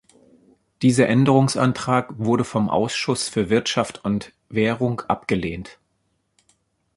Dieser Änderungsantrag wurde vom Ausschuss für Wirtschaft und Währung abgelehnt.